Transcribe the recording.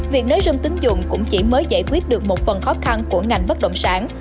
việc nới râm tính dụng cũng chỉ mới giải quyết được một phần khó khăn của ngành bất động sản